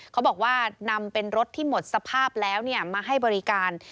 เขาบอกว่านำเป็นรถที่หมดสภาพแล้วมาให้บริการ